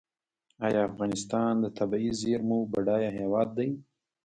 آیا افغانستان د طبیعي زیرمو بډایه هیواد دی؟